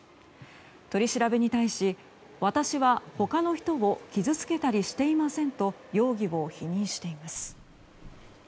取り調べに対し、私は他の人を傷つけたりしていませんと容疑を否認しています。